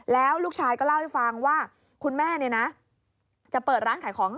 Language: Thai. แล้วลูกชายก็เล่าให้ฟังว่าคุณแม่เนี่ยนะจะเปิดร้านขายของ